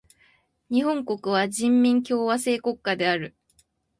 日本国は人民共和制国家である。